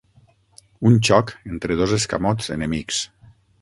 Un xoc entre dos escamots enemics.